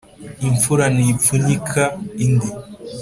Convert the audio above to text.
Imfura ntipfunyika indi